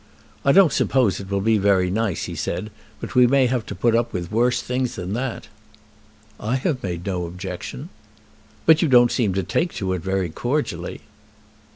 "I don't suppose it will be very nice," he said, "but we may have to put up with worse things than that." "I have made no objection." "But you don't seem to take to it very cordially."